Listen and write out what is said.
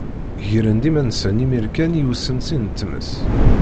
Gren-d iman-nsen imir kan i usensi n tmes.